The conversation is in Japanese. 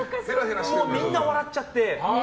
みんな笑っちゃって。